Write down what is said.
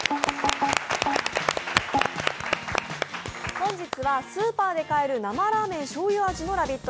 本日はスーパーで買える生ラーメンしょうゆ味のラヴィット！